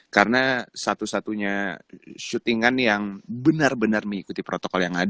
karena satu satunya shootingan yang benar benar mengikuti protokol ini